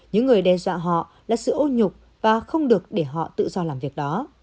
những người đe dọa họ là sự ô nhục và không được để họ tự do làm việc đó